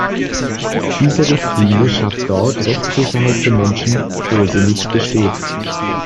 Diese Richtlinie schafft dort Rechtssicherheit für Menschen, wo sie nicht besteht.